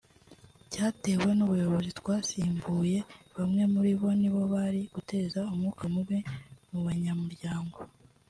cyatewe n’ubuyobozi twasimbuye bamwe muri bo nibo bari guteza umwuka mubi mu banyamuryango